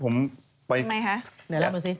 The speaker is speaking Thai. เอาไงคะเดี๋ยวเล่อมาสิ